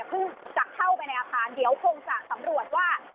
พึ่งจักเข้าไปในอาคารเดี๋ยวพงษ์จะสำรวจว่า